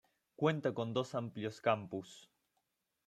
Cuenta con dos amplios campus.